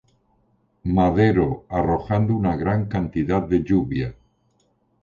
Madero, arrojando una gran cantidad de lluvia.